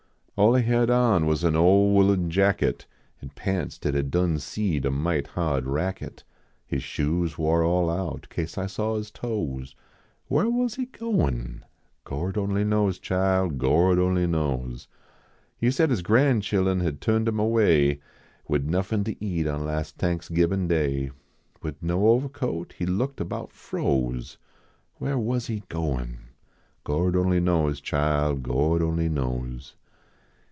All he had on was an ole woolen jacket, An pants dat had done seed a might} ha d racket. His shoes war all out, Kase I saw his toes. \Vhar wus he goin ? Gord only knows, chile, Gord only knows. He said his gran chilun had turned him away, Wid iiuffin to eat on las Thanksgibin Day. Wid no ovahcoat, He looked about froze. Whar was he goin ? Gord only knows, chile, Gord only knows.